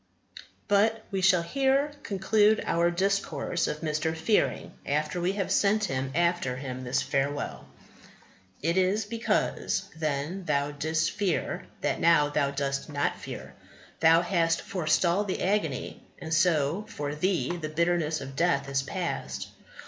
But we shall here conclude our discourse of Mr. Fearing after we have sent after him this farewell: "It is because Then thou didst fear, that now thou dost not fear. Thou hast forestalled the agony, and so For thee the bitterness of death is past.